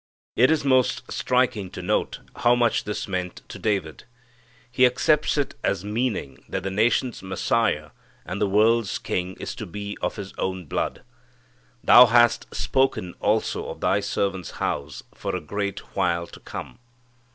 It is most striking to note how much this meant to David. He accepts it as meaning that the nation's Messiah and the world's King is to be of his own blood. "Thou hast spoken also of thy servant's house for a great while to come."